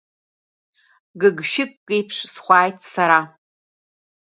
Гыгшәыгк еиԥш схуааит сара.